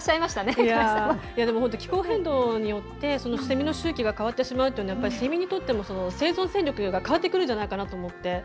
本当に気候変動によってセミの周期が変わってしまうのはセミにとっての生存競争が変わってくるんじゃないかなと思って。